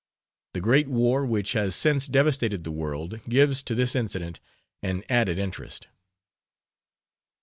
The great war which has since devastated the world gives to this incident an added interest.